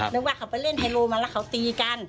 นึกว่าเขาไปเล่นไฮโลมาแล้วเขาตีกัน